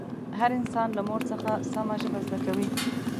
هر انسان له مور څخه سمه ژبه زده کوي